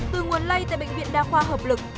từ nguồn lây tại bệnh viện đa khoa hợp lực